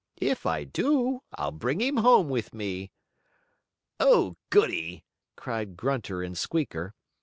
"If I do I'll bring him home with me." "Oh, goodie!" cried Grunter and Squeaker.